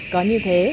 có như thế